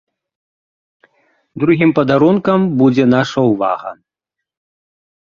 Другім падарункам будзе наша ўвага.